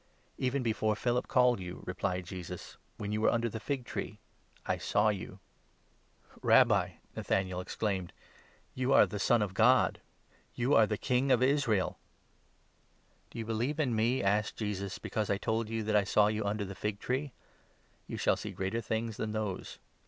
48 " Even before Philip called you," replied Jesus, " when you were under the fig tree, I saw you." 34 Ps. 2. 7. *? Gen. 27. 35. 168 JOHN, 1—2. "Rabbi," Nathanael exclaimed, "you are the Son of God, 49 you are King of Israel !"" Do you believe in me," asked Jesus, "because I told you 50 that I saw you under the fig tree? You shall see greater things than those!